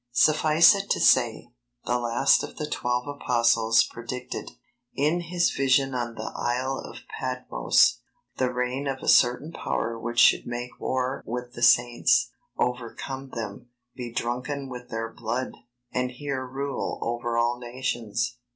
Suffice it to say, the last of the Twelve Apostles predicted, in his vision on the Isle of Patmos, the reign of a certain power which should make war with the Saints, overcome them, be drunken with their blood, and hear rule over all nations.